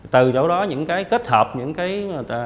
từ chỗ đó những cái kết hợp những cái đồ vật những cái thông tin